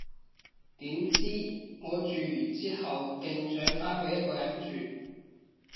點知，我住完之後勁想返去一個人住